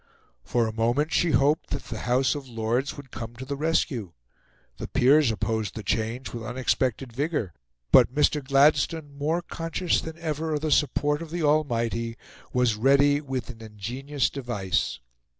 For a moment she hoped that the House of Lords would come to the rescue; the Peers opposed the change with unexpected vigour; but Mr. Gladstone, more conscious than ever of the support of the Almighty, was ready with an ingenious device.